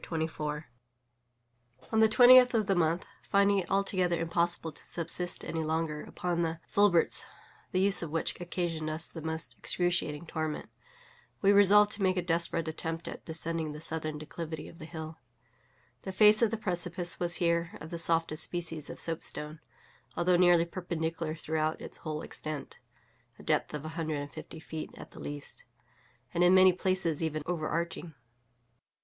{image} CHAPTER 24 On the twentieth of the month, finding it altogether impossible to subsist any longer upon the filberts, the use of which occasioned us the most excruciating torment, we resolved to make a desperate attempt at descending the southern declivity of the hill. The face of the precipice was here of the softest species of soapstone, although nearly perpendicular throughout its whole extent (a depth of a hundred and fifty feet at the least), and in many places even overarching.